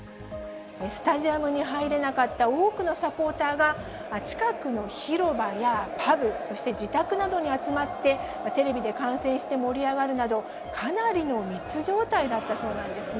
スタジアムに入れなかった多くのサポーターが、近くの広場やパブ、そして自宅などに集まって、テレビで観戦して盛り上がるなど、かなりの密状態だったそうなんですね。